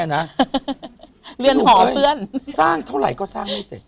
เกือบไปสร้างเท่าไหร่ก็สร้างได้เสร็จ